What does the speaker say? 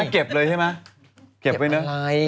เก็บเลยอย่างเนี่ยมั้ย